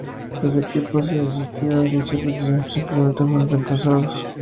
Los equipos que desistieron a dicha petición simplemente fueron reemplazados.